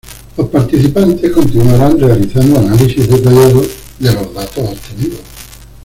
Los participantes continuaran realizando análisis detallados de los datos obtenidos.